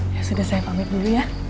ya sudah saya pamit dulu ya